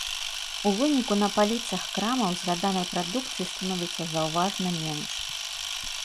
У выніку на паліцах крамаў згаданай прадукцыі становіцца заўважна менш.